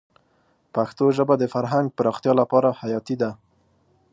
پښتو ژبه د فرهنګ پراختیا لپاره حیاتي ده.